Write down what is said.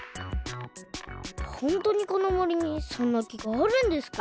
ホントにこのもりにそんな木があるんですか？